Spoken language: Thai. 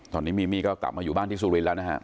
ตอนนี้มีมี่ก็กลับมาอยู่บ้านที่สุรินทร์แล้วนะฮะ